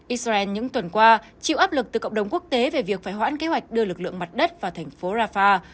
israel những tuần qua chịu áp lực từ cộng đồng quốc tế về việc phải hoãn kế hoạch đưa lực lượng mặt đất vào thành phố rafah